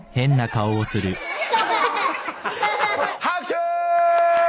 拍手！